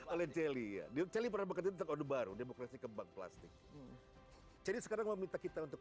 oleh jeli jeli perangkat tentang baru demokrasi kembang plastik jadi sekarang meminta kita untuk